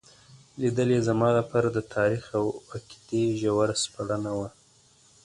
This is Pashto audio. لیدل یې زما لپاره د تاریخ او عقیدې ژوره سپړنه وه.